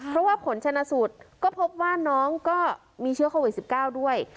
เพราะว่าผลชนะสูตรก็พบว่าน้องก็มีเชื้อโควิด๑๙ด้วย